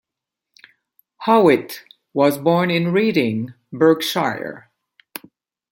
Howitt was born in Reading, Berkshire.